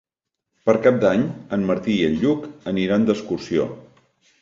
Per Cap d'Any en Martí i en Lluc aniran d'excursió.